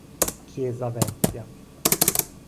Chiesa Vecchia